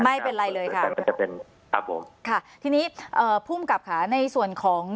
ไม่เป็นไรเลยค่ะครับผมค่ะทีนี้เอ่อผู้กลับขาในส่วนของ